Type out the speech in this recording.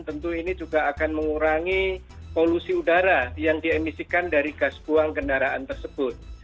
tentu ini juga akan mengurangi polusi udara yang diemisikan dari gas buang kendaraan tersebut